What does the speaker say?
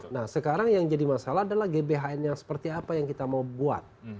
nah sekarang yang jadi masalah adalah gbhn yang seperti apa yang kita mau buat